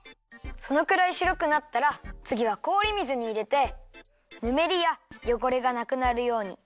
そのくらいしろくなったらつぎはこおり水にいれてぬめりやよごれがなくなるようにてであらいます。